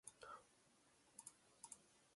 Stout traveled to Hong Kong, a British colony.